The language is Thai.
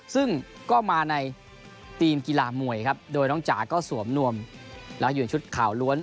ซึ่งก็มาในทีมกีฬามวยครับโดยน้องจ๋าก็สวมนวมแล้วอยู่ในชุดข่าวล้วน